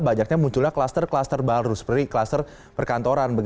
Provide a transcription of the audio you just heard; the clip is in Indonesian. banyaknya muncullah kluster kluster baru seperti kluster perkantoran